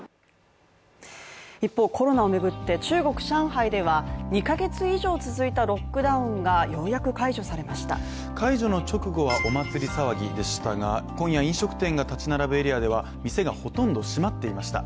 一方コロナを巡って中国上海では２ヶ月以上続いたロックダウンがようやく解除されました解除の直後はお祭り騒ぎでしたが、今夜飲食店が立ち並ぶエリアでは、店がほとんど閉まっていました。